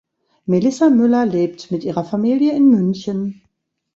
Melissa Müller lebt mit ihrer Familie in München.